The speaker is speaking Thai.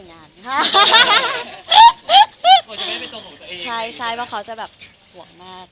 แล้วที่จริงคือเขาจัดมาทรมาท